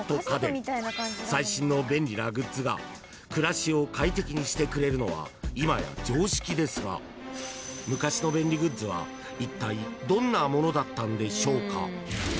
［最新の便利なグッズが暮らしを快適にしてくれるのは今や常識ですが昔の便利グッズはいったいどんなものだったんでしょうか？］